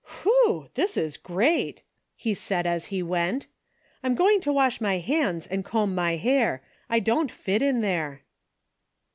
" Whew ! this is great !" he said as he went. I'm go ing to wash my hands and comb my hair. I don't fit in there."